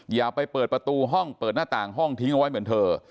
อย่าไปเปิดประตูห้องเปิดหน้าต่างห้องทิ้งเอาไว้เหมือนเธอ